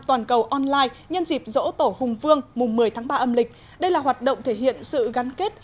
toàn cầu online nhân dịp dỗ tổ hùng vương mùng một mươi tháng ba âm lịch đây là hoạt động thể hiện sự gắn kết